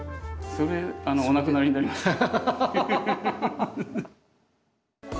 それお亡くなりになりますね。